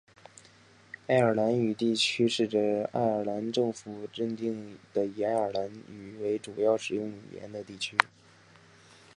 爱尔兰语地区是指爱尔兰政府认定的以爱尔兰语为主要使用语言的地区。